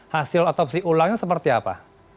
hasil otopsi ulangnya seperti apa